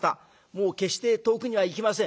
もう決して遠くには行きません。